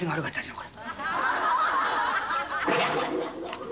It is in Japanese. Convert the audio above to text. これ。